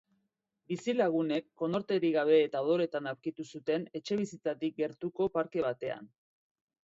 Bizilagunek konorterik gabe eta odoletan aurkitu zuten etxebizitzatik gertuko parke batean.